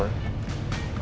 atau ada yang mencari